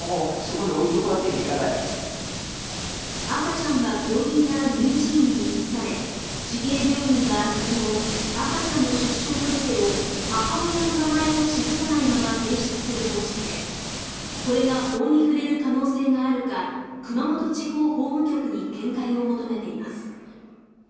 赤ちゃんは病院から乳児院に移され慈恵病院は今後赤ちゃんの出生届を母親の名前を記さないまま提出する方針でこれが法に触れる可能性があるか熊本地方法務局に見解を求めています